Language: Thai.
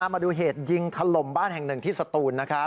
มาดูเหตุยิงถล่มบ้านแห่งหนึ่งที่สตูนนะครับ